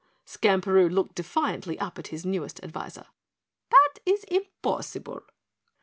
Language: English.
Skamperoo looked defiantly up at his newest advisor. "That is impossible."